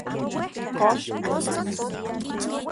¿Kox yi...?